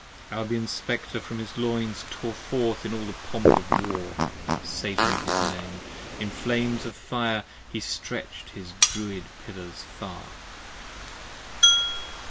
Albion's Spectre from his Loins, 55 Tore forth in all the pomp of War: Satan his name: in flames of fire He stretch'd his Druid Pillars far.